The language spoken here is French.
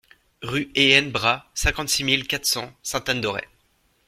Rue Ehen Bras, cinquante-six mille quatre cents Sainte-Anne-d'Auray